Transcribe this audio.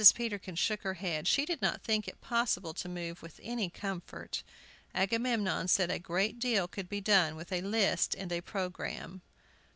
Peterkin shook her head; she did not think it possible to move with any comfort. Agamemnon said a great deal could be done with a list and a programme.